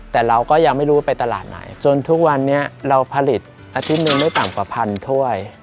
แต่เราก็ยังไม่รู้ว่าไปตลาดไหนจนทุกวันนี้เราผลิตอาทิตย์หนึ่งไม่ต่ำกว่าพันถ้วย